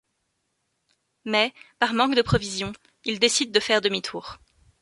Mais, par manque de provisions, ils décident de faire demi-tour.